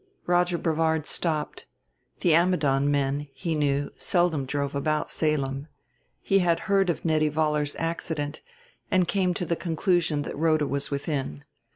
Roger Brevard stopped: the Ammidon men, he knew, seldom drove about Salem. He had heard of Nettie Vollar's accident and came to the conclusion that Rhoda was within.